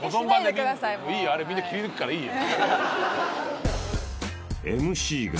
みんなあれ切り抜くからいいよ。